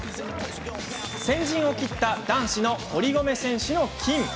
先陣を切った男子の堀米選手の金。